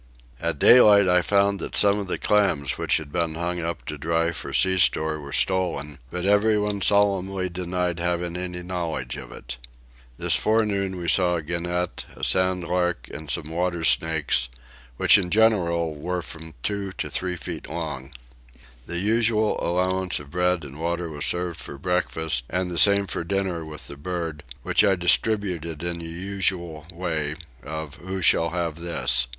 At daylight I found that some of the clams which had been hung up to dry for sea store were stolen; but everyone solemnly denied having any knowledge of it. This forenoon we saw a gannet, a sand lark and some water snakes which in general were from two or three feet long. The usual allowance of bread and water was served for breakfast, and the same for dinner with the bird, which I distributed in the usual way, of Who shall have this?